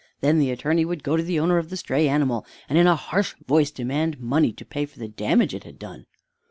Then the attorney would go to the owner of the stray animal and in a harsh voice demand money to pay for the damage it had done.